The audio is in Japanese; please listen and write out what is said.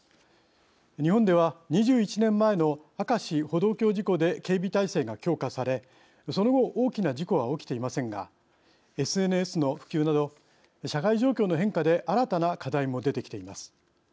日本では、２１年前の明石歩道橋事故で警備態勢が強化され、その後大きな事故は起きていませんがＳＮＳの普及など社会状況の変化で新たな課題も出てきています。